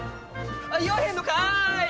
言わへんのかい！